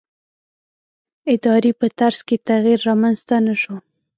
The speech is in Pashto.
ادارې په طرز کې تغییر رامنځته نه شو.